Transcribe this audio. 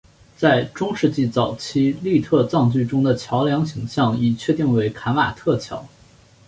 在中世纪早期粟特葬具中的桥梁形象已确定为钦瓦特桥。